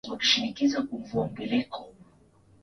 saa hii tendo cha kujiuzulu mimi naweza nikasema kwamba